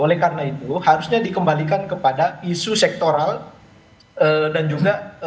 oleh karena itu harusnya dikembalikan kepada isu sektoral dan juga